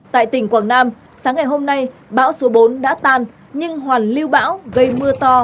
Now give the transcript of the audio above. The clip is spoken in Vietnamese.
tại tỉnh quảng nam sáng ngày hôm nay bão số bốn đã tan nhưng hoàn lưu bão gây mưa to